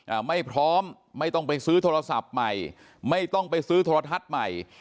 อ่าไม่พร้อมไม่ต้องไปซื้อโทรศัพท์ใหม่ไม่ต้องไปซื้อโทรทัศน์ใหม่